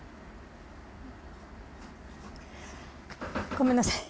ごめんなさい。